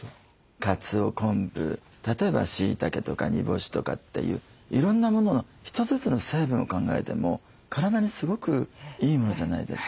かつお昆布例えばしいたけとか煮干しとかっていういろんなもの１つずつの成分を考えても体にすごくいいものじゃないですか。